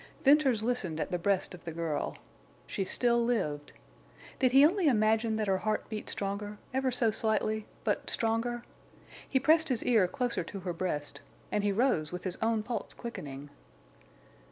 Venters listened at the breast of the girl. She still lived. Did he only imagine that her heart beat stronger, ever so slightly, but stronger? He pressed his ear closer to her breast. And he rose with his own pulse quickening.